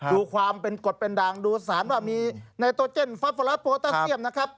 ดูความเป็นกฎเป็นด่างดูสารว่ามีไนโตเจนฟาโฟลัสโปรตัสเซียมนะครับ